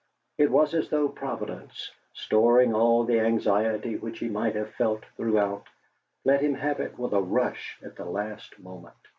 It was as though Providence, storing all the anxiety which he might have felt throughout, let him have it with a rush at the last moment.